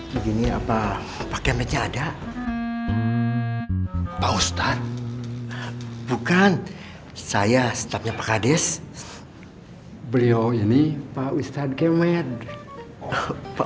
begini apa pakai meja ada pak ustadz bukan saya setanya pak hades beliau ini pak ustadz kemudian pak